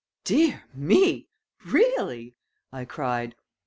"Dear me! Really?" I cried.